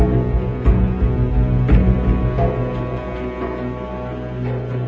แม่งกลัว